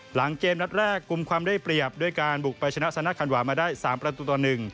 หลังเกมนัดแรกกลุ่มความได้เปรียบด้วยการบุกไปชนะสนาคันวามาได้๓ประตูต่อ๑